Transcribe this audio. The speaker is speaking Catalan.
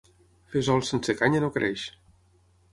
Fesol sense canya no creix.